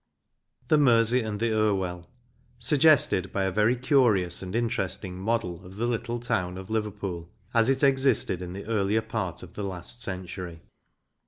The Mersey and the Irwell. Suggested by a very curious and interesting model of the little town of Liverpool, as it existed in the earlier part of the last century.